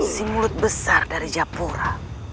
si mulut besar dari japura